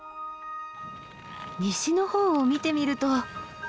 西の方を見てみると。